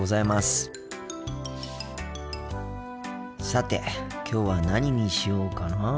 さてきょうは何にしようかなあ。